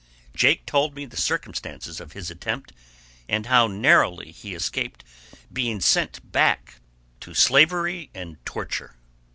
Jake told me the circumstances of this attempt, and how narrowly he escaped being sent back to slavery and torture.